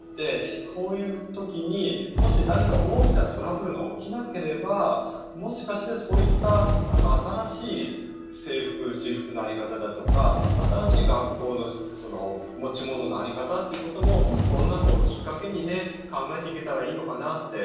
こういうときにもし何か大きなトラブルが起きなければもしかして、そういった新しい制服、私服の在り方だとか新しい学校の持ち物の在り方ということもコロナ禍をきっかけに考えていけたらいいのかなって。